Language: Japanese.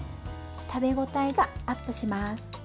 食べ応えがアップします。